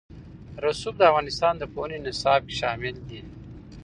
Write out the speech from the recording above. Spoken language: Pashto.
رسوب د افغانستان د پوهنې نصاب کې شامل دي.